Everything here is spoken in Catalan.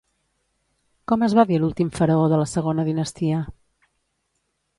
Com es va dir l'últim faraó de la segona dinastia?